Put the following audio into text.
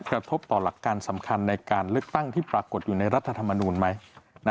กระทบต่อหลักการสำคัญในการเลือกตั้งที่ปรากฏอยู่ในรัฐธรรมนูลไหม